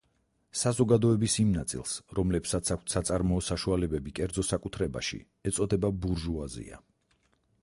საზოგადოების იმ ნაწილს, რომლებსაც აქვთ საწარმოო საშუალებები კერძო საკუთრებაში ეწოდება ბურჟუაზია.